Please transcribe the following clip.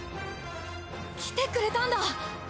来てくれたんだ！